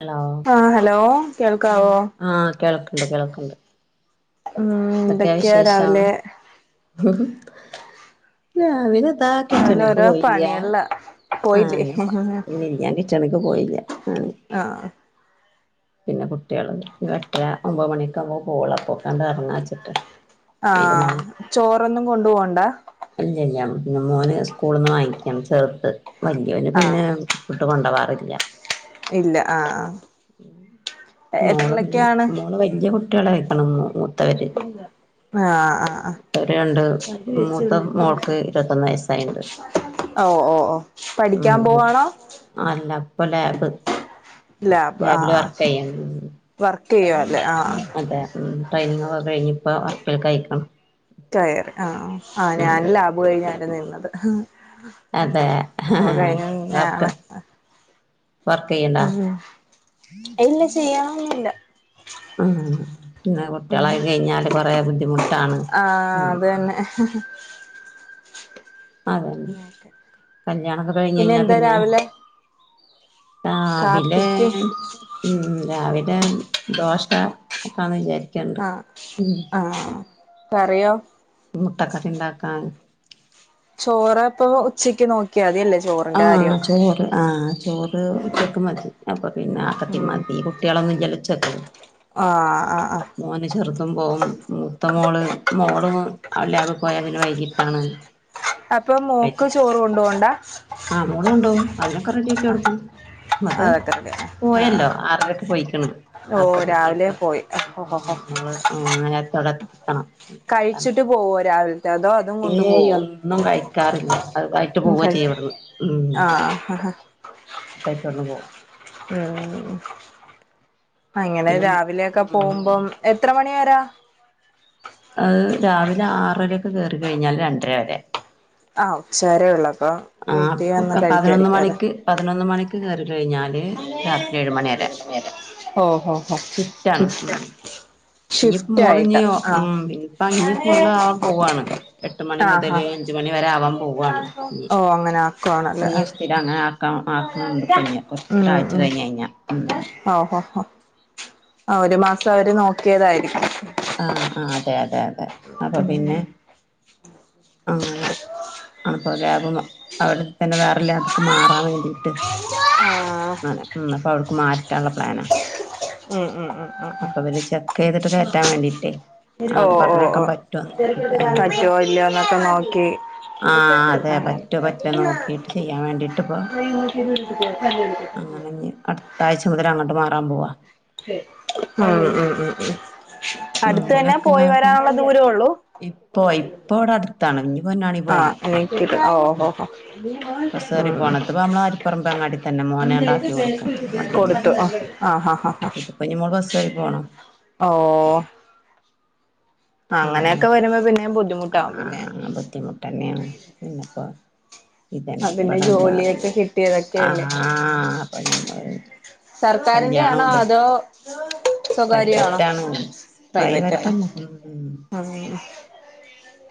Hello ആഹ് hello കേൾക്കാവോ ആഹ് കേൾക്ക്ണ്ട് കേൾക്ക്ണ്ട്. ഉം എന്തെക്ക്യാ രാവിലെ? ഹ് ഹു രാവിലതാ രാവിലെ കിച്ചണിക്ക് ഓരോ പോയില്ല്യ പണികളിലാ ആഹ് പോയില്ലേ ഞാൻ പ [unintelligible] ഞാൻ കിച്ചണ്ക്ക് പോയില്ല്യ ആ ആഹ് പിന്നെ കുട്ടിയാള് എട്ടര ഒമ്പത് മണിയൊക്കാവുമ്പോ പോവൊള്ളു അപ്പൊക്ക എറങ്ങാച്ച്ട്ട ആഹ് ചോറൊന്നും കൊണ്ടു പോവണ്ട ഇല്ല ഇല്ല പിന്ന മോന് സ്കൂള്ന്ന് വാങ്ങിക്കാണ് ചെർത് വല്യയോന് ആഹ് പിന്നെ ഫുഡ്‌ കൊണ്ടവാറില്ല. ഇല്ല ആഹ് ആഹ് മോള് എത്രിലെക്കെ പിന്നെ ആണ് മോള് വല്യ കുട്ടികളെ കഴിക്കണ് മൂത്തവര് ആഹ് ആഹ് ആഹ് മൂത്തവര് രണ്ട് മൂത്ത [unintelligible] മോൾക്ക് ഇരുപത്തൊന്ന് വയസ്സായിണ്ട് ഓ ഓ ഓ പഠിക്കാൻ ഉം പോവാണോ? അല്ല ഇപ്പൊ ലാബ്. ലാബ് ലാബില് ആഹ് വർക്ക് ചെയ്യണം വർക്ക് ചെയ്യുവാല്ലേ ആഹ് അതെ ഉം ട്രെയിനിങ് ഒക്കെ കഴിഞ് ഇപ്പ വർക്കിൽ അയിക്ക്ണ് കയറി ആ ആഹ് ഞാൻ ലാബ് കഴിഞ്ഞാരുന്നു നിന്നത് അതെ അപ്പൊ കഴിഞ്ഞു മുന്നേ വർക്ക് ആണ് വർക്ക് ചെയ്യണ്ടാ ഉം ഇല്ല ചെയ്യ്ണൊന്നുല്ല ആഹ് പിന്നെ കുട്ടിയാളായി കഴിഞ്ഞാല് കൊറേ ബുദ്ധിമുട്ടാണ് ആഹ് മ് അത് തന്നെ അതെന്നെ കല്യാണൊക്കെ കഴിഞ്ഞ്കഴിഞ്ഞാ എന്താ പിന്നെ രാവിലെ രാവിലെ കാപ്പിക്ക് ഉം രാവിലെ ദോശ ആക്കാന്ന് വിചാരി ആഹ് ആഹ് കറിയോ മുട്ട കറി ഇണ്ടാക്കാൻ ചോറപ്പൊ ഉച്ചക്ക് നോക്കിയാതിയല്ലേ ചോറ ആഹ് ചോറ് ആഹ് ചോറ് ഉച്ചക്ക് മതി അപ്പപിന്നെ ആക്കത്തിൻ ഉം മതി കു കുട്ടിയാളൊന്നുല്ലല്ലോ ഉച്ചക്ക് ആഹ് ആഹ് ആഹ് മോന് ചെറ്തും പോവും മൂത്തമോള് മോളും അവള്ലാബ് പോയ പിന്നെ വൈകിട്ടാണ്. അപ്പൊ വര മോക്ക് ചോറ് കൊണ്ടുപോവണ്ടാ? ആ മോള് കൊണ്ടോവും അതിനൊക്കെ റെഡിയാക്കി എടുക്കും. മ് അത് അതൊക്കെ റെഡി ആഹ് പോയല്ലോ ആഹ് ആറരക്ക് പോയിക്ക്ണ്. ഓ അപ്പ രാവിലെ പോയി ഒഹ് ഹോ ഹോ ആഹ് നേരത്തവിടെത്തണം കഴിച്ചിട്ട് പോവോ രാവിലത്തെ അതോ അതും കൊണ്ട് ഏയ് പോവോ ഒന്നും കഴിക്കാറില്ല അത് ആയ്റ്റ്‌ പോവ കഴി ചെയ്യവിടന്ന്. ഉം ആഹ് കയ്ച്ച് ഇവട്ന്ന് പോവും ഉം അങ്ങനെ പിന്നെ രാവിലെക്ക പോവുമ്പം ഉം എത്ര മണി വരാ അത്‌രാവിലെ ആറരക്ക് കേറി കൈഞ്ഞാൽ രണ്ട്ര രവരെ ആഹ് ഉച്ചവരെ ഇള്ളപ്പൊ ആ അപ്പ പതിനൊന്ന് മണിക്ക് പതിനൊന്ന് മണിക്ക് കേറി കഴിഞ്ഞാല് രാത്രി ഏഴ് മണി വരെ ഓ ഹൊ ഹൊ ഇഞ്പ്പോ മോള് ഇഞ് ആഹ് ഉം ഇഞ്പ്പ ഇഞ് ഫുള്ളാവാൻ പോവാണ് എട്ട് മണി ആഹ് മുതല് ആഹ് അഞ്ച് മണി വരെ ആവാൻ പോവാണ്. ഇഞ്, ഓഹ് അങ്ങനെ ആക്കുവാണല്ലേ ഇഞ് ആഹ് സ്ഥിരം അങ്ങനെ ആക്കാ ആക്ക്ണ് ഇണ്ട്പ്പൊ കൊ ച്ച് ഒരാഴ്ച്ച കഴിഞ് കഴിഞ്ഞ ഉം അ ഹ ഹ ആ ഒരു മാസഅവര് നോക്കിയതാരിക്കും ആ ആ അതെ അതെ അതെ അപ്പൊ ഉം ഉം പിന്നെ അങ്ങനെ ആണപ്പോ ലാബമ അവ്ടെ തന്നെ വേറെ ലാബൊക്ക മാറാ വേണ്ടിട്ട് ആ അങ്ങനെ ഉം ഇന്ന് അവള്ക്ക് മാറ്റാനുള്ള പ്ലാനാ ഉം ഉം ഉം അപ്പവര് ചെക്കെയ്തിട്ട് കേറ്റാവേണ്ടിട്ടേ ഓ ഓ ഓ ആ പറ്റോ ഇല്ലയോന്നൊക്കെ നോക്കി ആ അതെ എടുക്കട്ടെ പറ്റോ പറ്റില്ല നോക്കിട്ട് ചെയ്യാൻ വേണ്ടിട്ട് [unintelligible] അങ്ങനിഞ്ഞി അട്ത്തായ്ച മുതലങ്ങട്ട് മാറാൻ പോവാ ഉം ഉം ഉം ഉം അടുത്തന്നെ പോയ് വരാഒള്ള ദൂരഉള്ളൂ ഇപ്പോയ് ഇപ്പ അവടടുത്താണ് ഇനി പൊന്നാണി പോണം ആഹ് എനിക്ക് ഓ ഹോ ഉം ഹോ ബസ്കേറി ഉം പോണം ഇതിപ്പൊ നമ്മളരു പ്പറമ്പ അങ്ങാടി തന്നെ മോന ണ്ടാക്കി കൊടുക്കും. വണ്ടിമ കൊടുത്തു ആഹ് ആഹ് ആഹ് ആഹ് ബിനിമോൾക്ക് ബസ് കേറി പോണം ഓ അങ്ങനെഒക്കെ അങ്ങനൊക്കെ വരുമ്പ പിന്നേം ബുദ്ധിമുട്ടാവും പിന്നെ ബുദ്ധിമുട്ട് തനെയാണ് പിന്നപ്പ ഇതന് ആ പിന്നെ ഇവിടെന്ന് ജോലിയൊക്കെ ആ കിട്ടിയതൊക്കെയല്ലേ അപ്പ ഞമ്മള് സർക്കാരിന്റെ ആണോ കല്യാണുണ്ട് അതോ സ്വകാര്യ ആണോ പ്രൈവറ്റാണ് പ്രൈവറ്റാണോ പ്രൈവറ്റന്നെ ഉം ഉം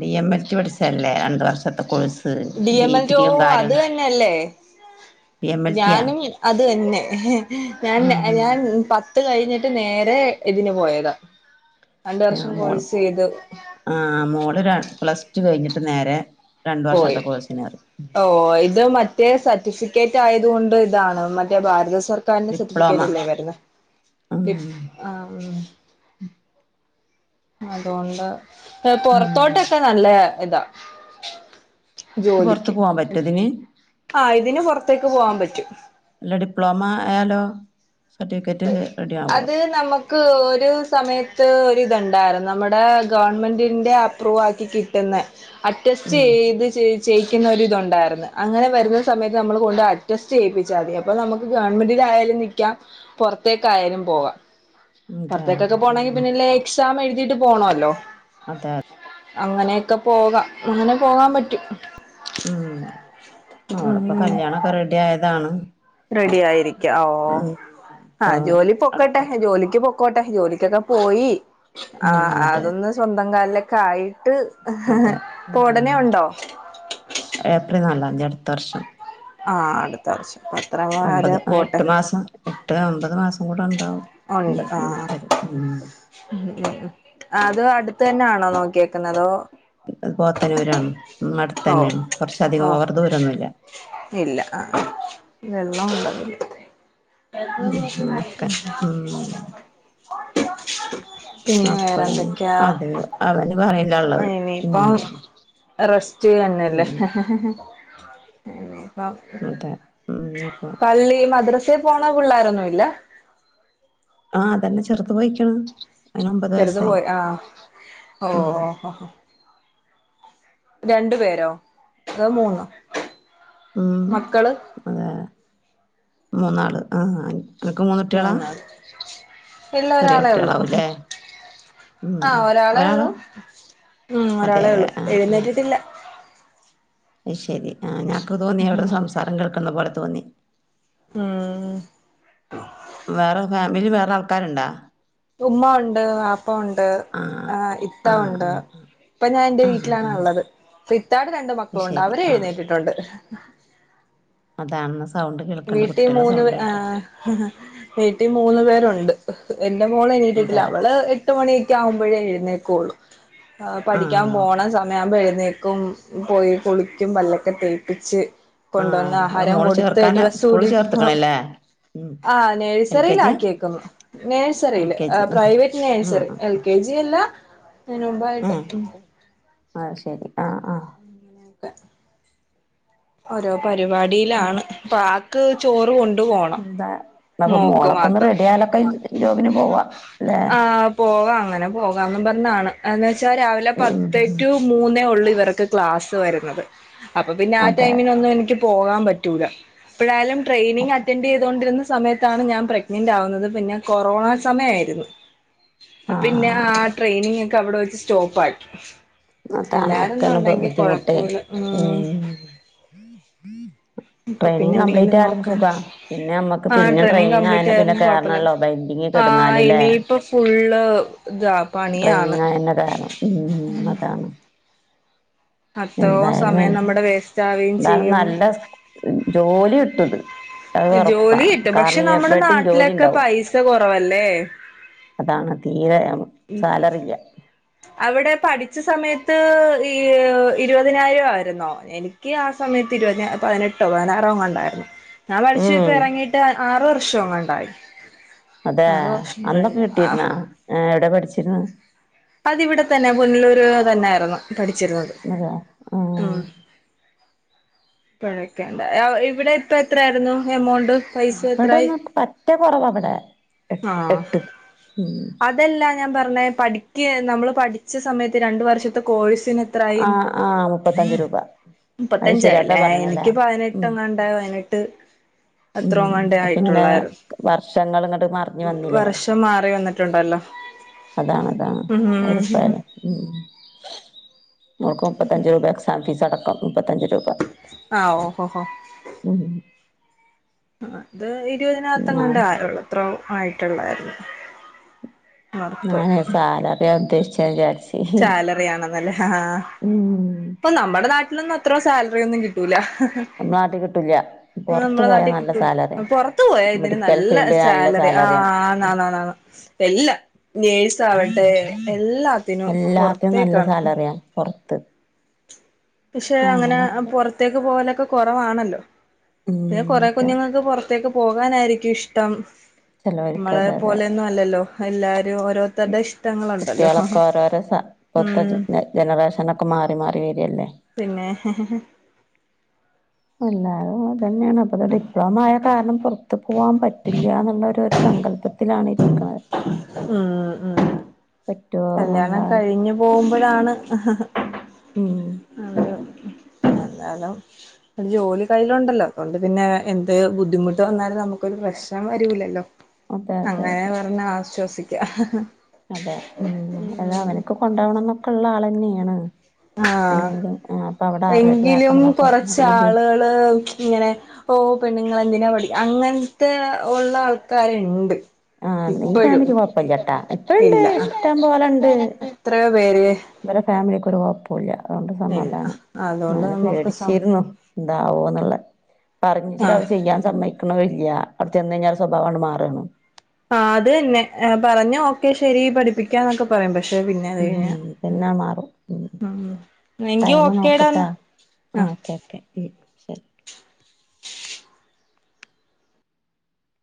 ഡി എം എൽറ്റി പഠിച്ചല്ലേ രണ്ട് വർഷത്തെ കോഴ്സ് ഡി എം എൽറ്റി ഓ ഡിഗ്രിയും അത് കാര്യം തന്നെ അല്ലെ ഡി എം എൽ ടിയാ ഞാനും അത് തന്നെ ഞാൻ ഉം ഞാൻ പ പത്ത് കഴിഞ്ഞിട്ട് നേരെ ഇതിന് പോയതാ രണ്ട് ആ വർഷം മോള് കോഴ്സ് ചെയ്തു ആ മോള് രണ് പ്ലസ് ടു കൈഞ്ഞിട്ട് നേരെ പോയി രണ്ടുവർഷത്തെ കോഴ്സിന്കേറി ഓ ഇത് മറ്റേ സർട്ടിഫിക്കറ്റായതുകൊണ്ട് ഇതാണ് മറ്റേ ഭാരത സർ കറന്റ്‌ ഡിപ്ലോമ സട്ടിഫിക്കറ്റ് അല്ലേ വരുന്നെ ഉം ഡിപ് ആം അതുകൊണ്ട് ഉം പൊറത്തോട്ടൊക്കെ നല്ല ഇതാ ഇത് പൊറ്ത്തു പോവാ പറ്റോ ഇതിന് ആ ഇതിന് പൊറ്ത്തേക്ക് പോവാപറ്റും അല്ല ഡിപ്ലോമ ആയാലോ സട്ടിഫിക്കറ്റ് റെഡി ആവുവൊ ക്ക് ഒരു സമയത്ത് ഒരിതൊണ്ടാര്ന്നു നമ്മടെ ഗവൺമെന്റിൻ്റെ അപ്രൂവാക്കി കിട്ട്ന്നെ അറ്റസ്റ്റ് ഉം ചെയ്ത് ചെയ് ചെയ്ക്കുന്നൊരിതൊണ്ടാര്ന്ന് അങ്ങനെ വരുന്ന സമയത്ത് നമ്മള് കൊണ്ട് അറ്റസ്സ്റ്റ് ചെയ്യിപ്പിച്ചാതി അപ്പ നമക്ക് ഗവൺമെന്റിലായാലും നിക്കാം പൊറ്ത്തേക്കായലും പോകാം അതെ പൊറ്ത്തേക്കൊക്കെ പോണോങ്കി ഉം പിന്നെ ലെ എക്സാമെഴ്തിട്ട് പോണോല്ലോ അതെ അങ്ങനെയൊക്കെ പോകാം അങ്ങനെ പോകാൻ പറ്റൂ ഉം മൊളെ ഇപ്പോ ഉം കല്യാണൊക്കെ റെഡി ആയതാണ് റെഡി ആയിരിക്കാം ഓ ഉം ആ ഇപ്പൊ ജോലി അടുത്ത പൊക്കട്ടെ ജോലിക്ക് പൊ പൊക്കോട്ടെ ജോലിക്കൊക്കെ പോയി ആ ഉം അതെ അതൊന്ന് സ്വന്തം കാല്ലൊക്കെ ആയി ട്ട് അതെ ഇപ്പൊ ഒടനെ ഉണ്ടോ ഏപ്രി ൽനാലാതി അടുത്ത വർഷം ആ അടുത്തവർഷംഅത്രനാ ഒമ്പത് വരെ ആ പോട്ടെ എട്ട് മാസം എട്ട് അമ്പത് മാസം കൂടെ ഒണ്ടാവും ഒണ്ട് ആ ഉ ഉം ഉ അത് അടുത്ത തന്നൊണോ നോക്കിയക്കെന്ന അതോ പോത്തനൂരാണ് ഉ അടുത്ത് ഓ തന്നെയാണ് കുറച്ച അധികം ഓ അവർ ദൂരൊന്നുല്ല ഇല്ല [unintelligible] ഉം അങ്ങനൊക്കെ ഉം പിന്നെ അപ്പൊ വേറെ ഇനി എന്തൊക്കെയാ അത് അവന് പറയില്ല ഉള്ളത് ഉ റെസ്റ്റ് അന്നല്ലേ ഇനിപ്പ അതെ ഉം ഇപ്പൊ പള്ളി മദ്രസേൽ പോണ പിള്ളാരൊന്നും ഇല്ല ആഹ് അതന്നെ ചെറുത് പോയിക്കണ് അതിന് ഒമ്പത് വയസ്സായി ആഹ് ഓ ഉം ഓ ഹൊ ഹൊ രണ്ടു പേരോ അതോ മൂന്നോ മ് മക്കള് അതെ മൂന്നാള് ആ അനക്ക് മൂന്നൊട്ടികളാ ഇല്ലാ ഒരാളേ ഉള്ളു ഉം അഹ് ഉം ഒരാളെ ഒരാളാ ഉള്ളൂ ഉം അതെ ഒരാളെ അതെ ഉള്ളൂ ആഹ് എഴന്നേറ്റിട്ടില്ല അയ്ശരി ആ നാക്ക് തോന്നി അവിടന്ന് സംസാരം കേൾക്കുന്ന പോലെ തോന്നി ഉം വേറെ ഫാമിലി വേറെ ആൾക്കാരുണ്ടോ ഉമ്മ ഒണ്ട് വാപ്പ ഒണ്ട് ആഹ് ആ ഇത്ത ആഹ് ഒണ്ട് ആഹ് ഇപ്പ ഞാൻ എന്റെ ആഹ് വീട്ടിലാണ് ആഹ് ഒള്ളത് ഇത്താടെ രണ്ട് അത് മക്കളുണ്ട് ശരി അവര് ആഹ് എഴുന്നേറ്റിട്ടുണ്ട് അതാണ് സൗണ്ട് കേൾക്കണ്ട് കുട്ടികളെ സൗണ്ട് കേട്ടെ വീട്ടി മൂന്ന് പേരുണ്ട് എന്റെ മോളെ എനീറ്റിട്ടില്ല ഇതാ അവള് എ ട്ട് മണിയൊക്കെ ആകുമ്പോഴേ എഴുന്നേക്കുള്ളൂ പഠിക്കാൻ ആഹ് പോണ സ മയമാവുമ്പോ എഴുന്നേക്കും പോയി കുളിക്കും പല്ലൊക്കെ തേപ്പിച്ച് കൊണ്ടുന്ന് ആഹ് അത് ആഹാരം മോള് കൊടുത്ത് ചേർക്കാന് ഡ്രസ്സ് സ്കൂളിൽ ഇടീക്കുമ്പോ ചേർത്തക്കണല്ലേ ഉം ആ എൽ കെ നേഴ്സറിൽ ജിയാ ആക്കിയേക്കുന്നു എൽ നേഴ്സറില് കെ ജി ഉം പ്രൈവറ്റ് നേഴ്സറി ആഹ് എൽ കെ ജി അല്ല അതിന് മുമ്പായിട്ട് ഉം അഹ് ശരി ആഹ് ആഹ് അങ്ങൻത്തെ ഓരോ പരിപാടിയിലാണ് പ്പആക്ക് ചോറ് കൊണ്ടു പോണം അതാ പ്പ മോക്ക് മോളൊക്കെ ഒന്ന് മാത്രം റെഡിയായാലൊക്കെ ജോബിന് പോവാ അല്ലെ പോകാം അങ്ങനെ പോകാംന്ന് പറഞ്ഞാണ് എന്ന് വെച്ചാൽ രാവിലെ പത്ത് ഉം ടു മൂന്നേ ഉള്ളൂ ഇവര്ക്ക് ക്ലാസ്സ്‌ വരുന്നത് അപ്പൊ പിന്നെ ആ അതെ ടൈമിനൊന്നും എനിക്ക് പോകാൻ പറ്റൂല ഇപ്പോഴാലും ട്രെയിനിങ് അറ്റൻഡ് ചെയ്തൊണ്ടിരിന്ന് സമയത്താണ് ഞാൻ പ്രഗ്നന്റ് ആവുന്നത് പിന്നെ കൊറോണ സമയയിരുന്നു അപ്പ പിന്നെ ആഹ് ആ ട്രെയിനിങ്ങോക്കെ അവിടെ വച്ച് സ്റ്റോപ്പ് ആക്കി അതാണ് അതാണ് ഇല്ലായിരുന്നുണ്ടെങ്കിൽ ബുദ്ധിമുട്ട് കൊഴപ്പമില്ല ഉം ബ്ബക്ക് ഇപ്പ പിന്നെ ട്രെയിനിങ് കംപ്ലീറ്റ് എന്തെങ്കിലും ആയാലും നോക്കാൻ സുഖാ പിന്നെ നമ്മക്ക് ആ പിന്നെ ട്രെയിനിങ് കംപ്ലീറ്റ് ആയന്നെ ആയ പിന്നെ കാരണം കൊഴപ്പില്ല കേറണല്ലോ ബൈൻഡിങ് ആഹ് കിടന്നാല് ല്ലേ ഇനിയിപ്പ ഫുള്ള് ഇതാ പണിയാണ് ട്രെയിനിങ് ആയന്നെ കേറണം ഉം അതാണ് അത്രോ എന്തായാലും സമയം വേണ്ടി നമ്മുടെ വേസ്റ്റ് ആവുകയും എന്തായാലും ചെയ്യും നല്ല ജോലി ഇട്ടത് അത് ഒറപ്പാ. ജോലി കിട്ടും പക്ഷെ കാരണം നമ്മുടെ ഞാപ്പേട്ടും നാട്ടിലൊക്കെ ജോലിയെണ്ടാവും. പൈസ കുറവല്ലേ അതാണ് തീരെ ഉം സാലറി ഇല്ല അവിടെ പഠിച്ച സമയത്ത് ഈ ഇരുപതിനായിരം ആയിരുന്നോ എനിക്ക് ക്ക് ആ സമയത്ത് ഇരുപതിന പതിനെട്ടോ പതിനാറോങ്ങാണ്ടായിരുന്നു ഞാൻ പഠിച്ചു ഇപ്പ ഉം ഇറങ്ങീട്ട് ആറു വർഷോങ്ങണ്ടായി അതെ അന്നൊക്കെ കിട്ടിയിരുന്നാ എ എവിടെ പഠിച്ചിര്ന്നെ പ്പതി ഇവിടെ തന്നെ പുനലൂര് തന്നെയിരുന്നു പഠിച്ചിരുന്നത് അത ആഹ് കെഴക്കേണ്ട. A ഇവടെയിപ്പ എത്രയാരുന്നു amount? പൈസ എത്രായി ഇവടെന്ന് പറ്റ കറവെവിടെ. എ എട്ട് ഉം അതെല്ല ഞാ പറഞ്ഞേ. പഠിക്ക് നമ്മള് പഠിച്ച സമയത്ത് രണ്ട് വർഷത്തെ കോഴ്സിന് എത്രായി? ആ ആ മുപ്പത്തഞ്ച് രൂപ അത് ശരി അതാ മുപ്പത്തഞ്ചായല്ലേ. പറഞ്ഞല്ലേ എനിക്ക് ഉം പതിനെട്ടെങ്ങാ പതിനെട്ട്. ഉം അത്രോങ്ങാണ്ടേ പിന്നെ ആയിട്ടൊള്ളാരുന്നു. വർഷങ്ങൾ ഇങ്ങോട്ട് മറിഞ്ഞു വന്നില്ലേ വർഷം മാറി വന്നിട്ടൊണ്ടല്ലോ. അതാണ് അതാണ് ഉം ഒരുപ്പായാല ഉം മോക്കുപ്പത്തഞ്ചുരൂപയെക്സാംഫീസടക്കാന്നുപ്പത്തഞ്ചു രൂപ. ആഹ് ഓഹോഹോ ഉം ഇത് ആ ഇരുപതിനത്തേങ്ങാണ്ടേ യായൊള്ളൂ. അത്രോം ആയിട്ടൊള്ളാരുന്നു. ഞാനേ സാലറിയദ്ദേശിച്ചേ വിചാരിച്ച്. സാലറി ആണെന്നല്ലേ ആഹ്. ഉം ഇപ്പ നമ്മെടെ നാട്ടിലൊന്നുയ ത്ര സാലറിയൊന്നും കിട്ടൂല. നമ്മളെ നാട്ടിൽ കിട്ടൂല പുറത്ത് നമ്മടെ പോയാ നാട്ടി നല്ല കിട്ടൂല. സാലറിയാ പൊറത്തുപോയായിതിന് മെഡിക്കൽ നല്ല ഫീൽഡ് നല്ല സാലറി ആഹ് സാലറിയാണ് ആഹ്. ആന്നാന്നാന്ന്. എല്ലാം നേഴ്സാവെട്ടെ എല്ലാത്തിനും. എല്ലാത്തിനും നല്ല പൊറത്തേക്കാണ് സാലറിയാണ്. പൊറത്ത്. പക്ഷേ അങ്ങനെ പൊറത്തേക്ക് പോകലെക്കെ കൊറവാണല്ലോ. പിന്നെ ഉം കെറെ അതെ കുഞ്ഞുങ്ങക്ക് പൊറത്തേക്ക് പോകാനാരിക്കു ഇഷ്ടം. ചിലവർക്ക് അതെ അതെ നമ്മളെപ്പോലൊന്നു ല്ലല്ലോ. എല്ലാരും ഓരോത്തരുടെയിഷ് കുട്ടികളക്കെ ഓരോരോ സ. ഇപ്പത്തെ ഉം ജനറേഷനൊക്കെ മാറി മാറി വരികല്ലേ. പിന്നെ എല്ലാരും അത് തന്നെയാണ്. അപ്പത് ഡിപ്ലോമയായ കാരണം പൊറത്ത് പോവാൻ പറ്റില്ലാന്നൊള്ളൊരു സങ്കല്പത്തി ഉം ഉം പറ്റുവോ കല്യാണം എന്നുള്ള കഴിഞ്ഞു പോകുമ്പോഴാണ് അഹ ഉം എന്നാലും ഒര് ജോലി കയ്യിലൊണ്ടല്ലോ. അതുകൊണ്ട് പിന്നെ എന്ത് ബുദ്ധിമുട്ട് വന്നാലും നമ്മക്കൊരു പ്രശ് നം വരൂലല്ലോ. അതെ അതെ അങ്ങനെ അതെ പറഞ്ഞ് ആശ്വസിക്ക. അതെ. ഉം അതാ അവനെക്ക് കൊണ്ടുപ്പോണെന്നൊക്കെയൊള്ളയാളന്നെയാണ്. ആഹ് അങ്ങനേലും. ആ അപ്പ അവെടെ എങ്കിലും കൊറച്ച് ആറെഡിയാക്കണന്നെക്കെയതല്ലേ. ആളുകള് ഇങ്ങനെ ഓ പെണ്ണുങ്ങളെന്തിനാ പടിക്ക. അങ്ങനെത്തെ ഒള്ളയാൾക്കാരൊണ്ട്. ആഹ് ഈ ഇപ്പഴും. ഫാമിലി കൊഴപ്പല്ലട്ടാ ഇപ്പഴുണ്ട് ഇല്ല ഇഷ്ടം എത്രയോപ്പേര്? വേറെ ഫാമിലി കുറവെ വില്ല. അതുകൊണ്ട് ഇല്ല സമാധാനം. അതുകൊണ്ട് ഞാന് നമുക്ക് സം പേടിച്ചിരുന്നു. എന്താവുന്നോള്ളേ. ആഹ് പറഞ്ഞിയച്ചിട്ടയവര് ചെയ്യാൻ സമ്മയിക്കണുവില്ലാ. അത് ചെന്ന് കഴിഞ്ഞായവര് സ്വഭാവാങ്ങ്ട്ട് മാറുകാണ്. ആ അത് തന്നെ. ആ പറഞ്ഞോക്കെ ശെരി പഠിപ്പി ന്നൊക്കെ പറയും പക്ഷെ പിന്നെ അത് കഴിഞ്ഞാ. ഉം പിന്നെ മാറും ഉം എങ്കി ഓക്കേടെന്നാ. ആഹ് ക്കെ ശെരി